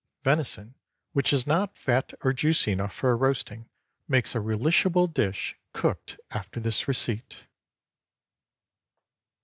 Venison which is not fat or juicy enough for roasting makes a relishable dish cooked after this receipt.